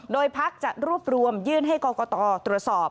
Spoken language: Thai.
โดยพักจะรวบรวมยื่นให้กรกตตรวจสอบ